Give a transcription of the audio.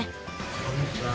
こんにちは。